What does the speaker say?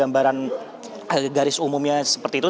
gambaran garis umumnya seperti itu